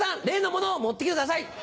例のものを持って来てください！